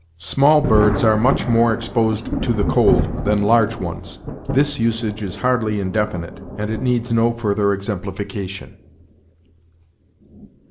"'Small birds are much more exposed to the cold than large ones.' This usage is hardly 'indefinite'; and it needs no further exemplification."